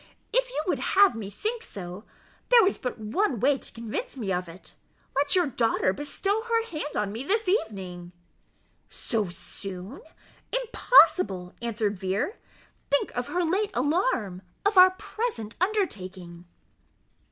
"If you would have me think so, there is but one way to convince me of it let your daughter bestow her hand on me this evening." "So soon? impossible," answered Vere; "think of her late alarm of our present undertaking."